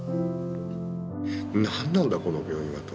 「なんなんだこの病院は」と。